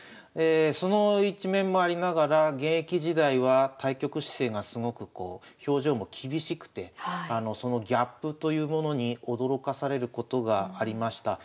その一面もありながら現役時代は対局姿勢がすごくこう表情も厳しくてそのギャップというものに驚かされることがありました。